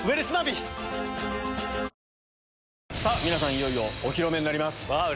いよいよお披露目になります。